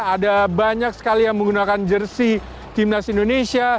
ada banyak sekali yang menggunakan jersi timnas indonesia